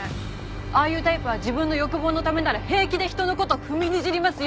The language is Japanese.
ああいうタイプは自分の欲望のためなら平気で人の事踏みにじりますよ！